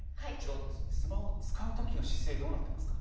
スマホ使うときの姿勢どうなってますか？